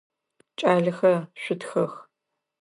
Кӏалэхэ, шъутхэх!